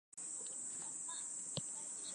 秦哀平帝苻丕氐族人。